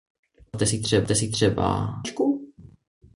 Postavte si třeba... kalkulačku?